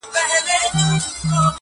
• ته مي غوښي پرې کوه زه په دعا یم -